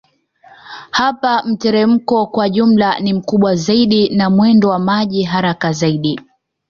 Hapa mteremko kwa jumla ni mkubwa zaidi na mwendo wa maji haraka zaidi